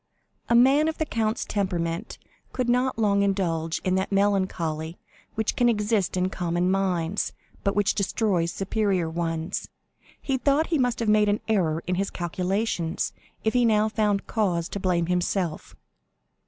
A man of the count's temperament could not long indulge in that melancholy which can exist in common minds, but which destroys superior ones. He thought he must have made an error in his calculations if he now found cause to blame himself.